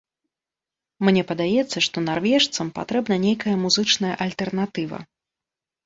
Мне падаецца, што нарвежцам патрэбна нейкая музычная альтэрнатыва.